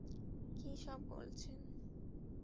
কি সব বলছেন?